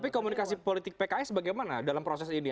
tapi komunikasi politik pks bagaimana dalam proses ini